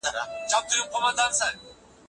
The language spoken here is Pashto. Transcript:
هغه غواړي چي یو تکړه څېړونکی سي.